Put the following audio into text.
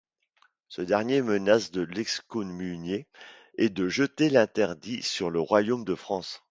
Ce dernier menace de l'excommunier et de jeter l'interdit sur le royaume de France.